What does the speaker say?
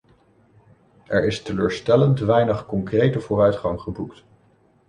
Er is teleurstellend weinig concrete vooruitgang geboekt.